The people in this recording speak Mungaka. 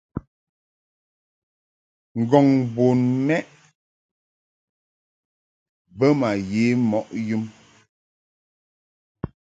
Ngɔŋ bun mɛʼ bə ma ye mɔʼ yum.